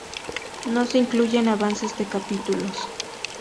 No se incluyen avances de capítulos.